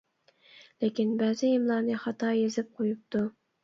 لېكىن بەزى ئىملانى، خاتا يېزىپ قويۇپتۇ.